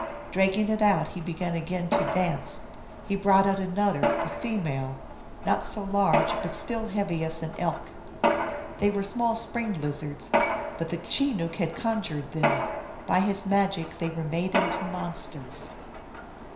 Dragging it out he began again to dance. He brought out another, the female, not so large, but still heavy as an elk. They were small spring lizards, but the Chenook had conjured them ; by his magic they were made into monsters.